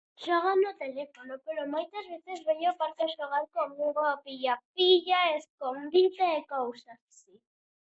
Xogan no teléfono, pero moitas veces veño ao parque a xogar conmigo ao pilla pilla, ao escondite e cousas.